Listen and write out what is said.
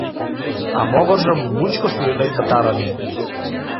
А могыржым мучко сӱретлен пытарыме.